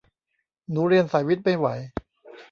หนูเรียนสายวิทย์ไม่ไหว